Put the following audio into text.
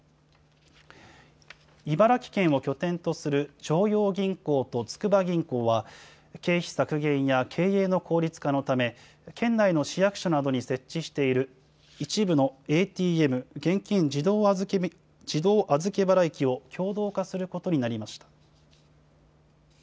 茨城県を拠点とする常陽銀行と筑波銀行は、経費削減や経営の効率化のため、県内の市役所などに設置している一部のＡＴＭ・現金自動預払機を共同化することになりました。